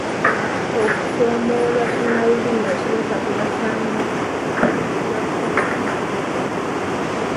Okusoomooza kinnalulimi abasomesa kwe basanga kujja kusalirwa amagezi.